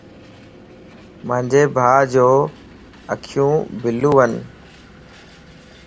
مانجي ڀاجو اکيون بلوون